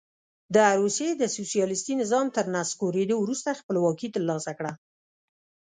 د روسیې د سوسیالیستي نظام تر نسکورېدو وروسته خپلواکي ترلاسه کړه.